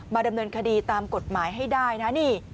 ดำเนินคดีตามกฎหมายให้ได้นะนี่